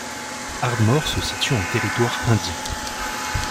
Ardmore se situe en Territoire indien.